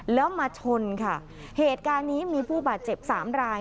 แล้วมาชนค่ะเหตุการณ์นี้มีผู้บาดเจ็บสามราย